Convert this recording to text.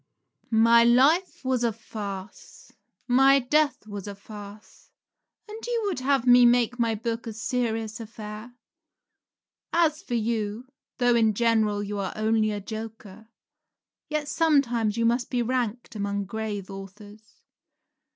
Rabelais. My life was a farce; my death was a farce; and would you have me make my book a serious affair? As for you, though in general you are only a joker, yet sometimes you must be ranked among grave authors.